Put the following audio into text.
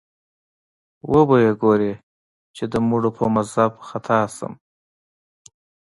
وبه یې ګورې چې د مړو په مذهب خطا شم